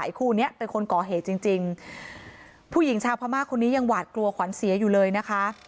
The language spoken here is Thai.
คู่นี้เป็นคนก่อเหตุจริงจริงผู้หญิงชาวพม่าคนนี้ยังหวาดกลัวขวัญเสียอยู่เลยนะคะ